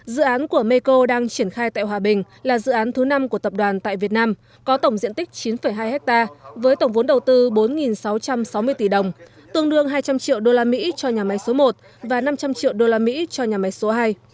dự án của mikko đang triển khai tại hòa bình là dự án thứ năm của tập đoàn tại việt nam có tổng diện tích chín hai hectare với tổng vốn đầu tư bốn sáu trăm sáu mươi tỷ đồng tương đương hai trăm linh triệu đô la mỹ cho nhà máy số một và năm trăm linh triệu đô la mỹ cho nhà máy số hai